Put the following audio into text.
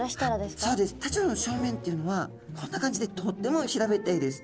タチウオちゃんの正面っていうのはこんな感じでとっても平べったいです。